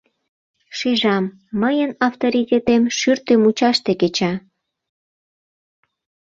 Шижам: мыйын авторитетем шӱртӧ мучаште кеча.